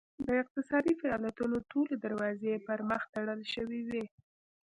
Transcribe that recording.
د اقتصادي فعالیتونو ټولې دروازې یې پرمخ تړل شوې وې.